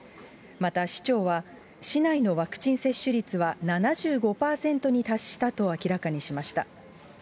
また市長は、市内のワクチン接種率は７５％に達したと明らかにしました。